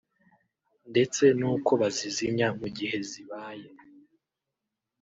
ndetse n’uko bazizimya mu gihe zibaye